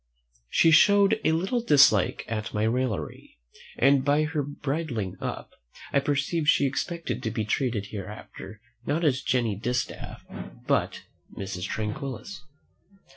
She showed a little dislike at my raillery, and by her bridling up, I perceived she expected to be treated hereafter not as Jenny Distaff, but Mrs. Tranquillus.